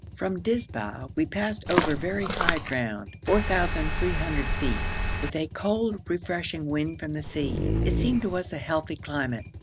From Dizba we passed over very high ground, 4,300 feet, with a cold refreshing wind from the sea. It seemed to us a healthy climate.